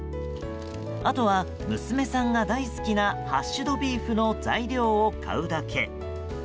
あとは、娘さんが大好きなハッシュドビーフの材料を買うだけ。